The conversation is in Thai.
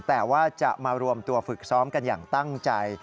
แต่ว่าจะมารวมตัวฝึกซ้อมกันอย่างตั้งใจ